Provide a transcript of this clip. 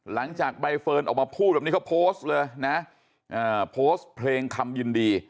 หลังจากใบเฟิร์นออกมาพูด